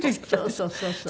そうそうそう。